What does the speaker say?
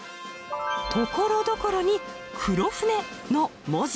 ところどころに黒船の文字。